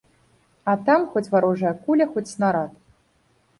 А там хоць варожая куля, хоць снарад.